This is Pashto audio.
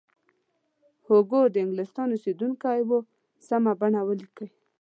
هوګو د انګلستان اوسیدونکی و سمه بڼه ولیکئ.